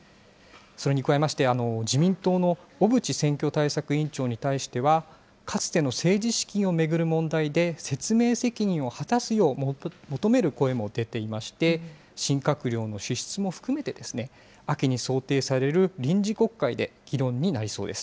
それに加えまして、自民党の小渕選挙対策委員長に対してはかつての政治資金を巡る問題で説明責任を果たすよう求める声も出ていまして、新閣僚の資質も含めて、秋に想定される臨時国会で議論になりそうです。